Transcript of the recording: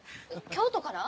京都から？